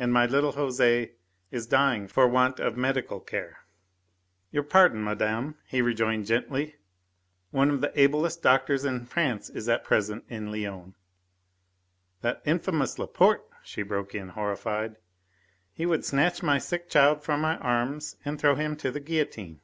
And my little Jose is dying for want of medical care." "Your pardon, madame," he rejoined gently, "one of the ablest doctors in France is at present in Lyons " "That infamous Laporte," she broke in, horrified. "He would snatch my sick child from my arms and throw him to the guillotine."